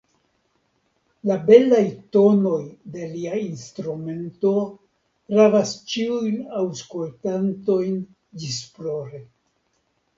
La belaj tonoj de lia instrumento ravas ĉiujn aŭskultantojn ĝisplore.